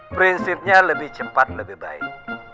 prinsipnya lebih cepat lebih baik